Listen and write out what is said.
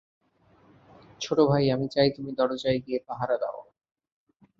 ছোট ভাই, আমি চাই তুমি দরজায় গিয়ে পাহারা দাও।